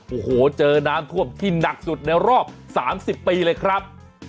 โอ้โหเจอน้ำท่วมที่หนักสุดในรอบ๓๐ปีเลยครับ